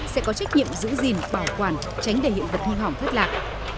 sẽ có trách nhiệm giữ gìn bảo quản tránh đầy hiện vật hình hỏng thất lạc